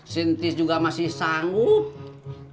sintis juga masih sanggup